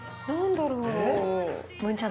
何だろう？